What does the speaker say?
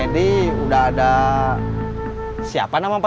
terima kasih mak